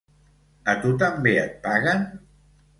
A tu també et paguen?